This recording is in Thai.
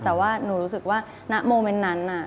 แต่ว่าหนูรู้สึกว่าณโมเมนต์นั้น